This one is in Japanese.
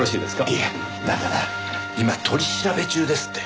いやだから今取り調べ中ですって。